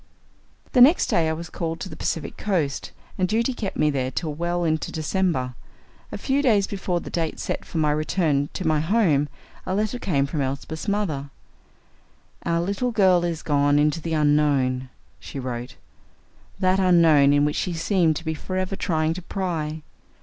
The next day I was called to the Pacific coast, and duty kept me there till well into December. A few days before the date set for my return to my home, a letter came from Elsbeth's mother. "Our little girl is gone into the Unknown," she wrote "that Unknown in which she seemed to be forever trying to pry.